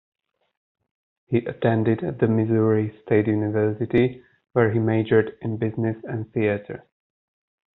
He attended the Missouri State University, where he majored in Business and theatre.